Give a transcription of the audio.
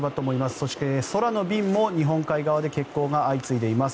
そして、空の便も日本海側で欠航が相次いでいます。